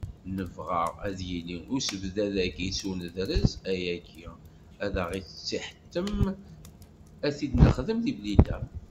Nebɣa ad yili usebddad-agi s unedrez, ayagi ad aɣ-iḥettem ad t-id-nexdem deg Blida.